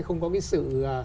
không có cái sự